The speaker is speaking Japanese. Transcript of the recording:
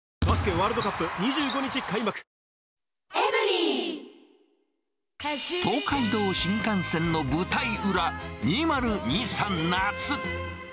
ホーユー東海道新幹線の舞台裏、２０２３夏。